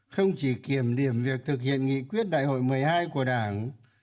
không chỉ kiểm điểm việc thực hiện nghị quyết đại hội một mươi hai của đảng